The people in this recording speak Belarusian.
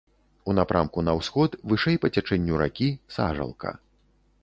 У напрамку на ўсход, вышэй па цячэнню ракі, сажалка.